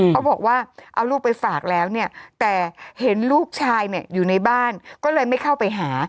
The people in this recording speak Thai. เขาบอกว่าเอาลูกไปฝากแล้วเนี่ยแต่เห็นลูกชายเนี่ยอยู่ในบ้านก็เลยไม่เข้าไปหา